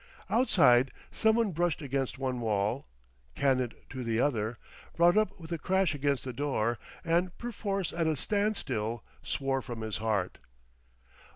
Outside somebody brushed against one wall, cannoned to the other, brought up with a crash against the door, and, perforce at a standstill, swore from his heart.